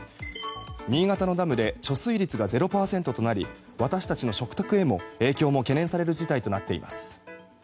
新潟のダムで貯水率が０％となり私たちの食卓への影響も懸念される事態となっています。